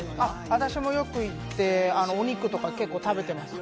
私もよく行って、お肉とかを結構食べてます。